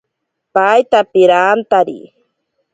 Paita pirantari.